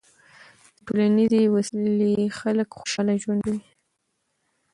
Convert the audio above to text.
د ټولنیزې وصلۍ خلک خوشحاله ژوند کوي.